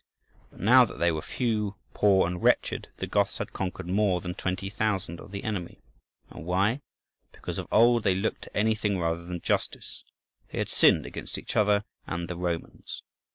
But now that they were few, poor, and wretched, the Goths had conquered more than 20,000 of the enemy. And why? Because of old they looked to anything rather than justice: they had sinned against each other and the Romans.